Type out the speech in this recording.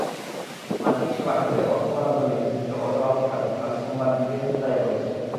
মার্কিন সেবা খাতে অর্থ বরাদ্দ নিয়ে সৃষ্ট অচলাবস্থা গতকাল সোমবার দ্বিতীয় সপ্তাহে পড়েছে।